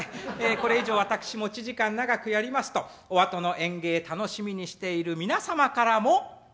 これ以上私持ち時間長くやりますとお後の演芸楽しみにしている皆様からも「ヌー」